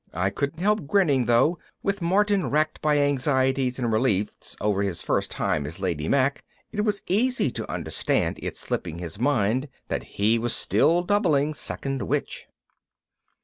I couldn't help grinning, though with Martin racked by anxieties and reliefs over his first time as Lady Mack, it was easy to understand it slipping his mind that he was still doubling Second Witch.